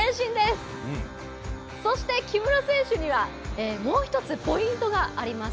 そして、木村選手にはもう１つポイントがあります。